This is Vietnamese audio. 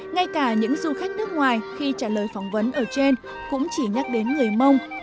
ngay cả những du khách nước ngoài khi trả lời phỏng vấn ở trên cũng chỉ nhắc đến người mông